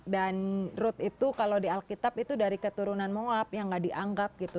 dan ruth itu kalau di alkitab itu dari keturunan moab yang nggak dianggap gitu